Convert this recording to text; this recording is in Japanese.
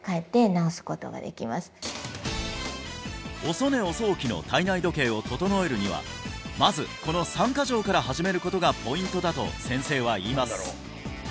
遅寝遅起きの体内時計を整えるにはまずこの３カ条から始めることがポイントだと先生は言います